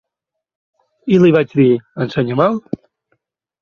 I li vaig dir: Ensenya-me’l.